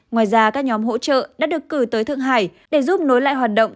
ngoài ra các nhóm hỗ trợ đã được cử tới thượng hải để giúp nối lại hoạt động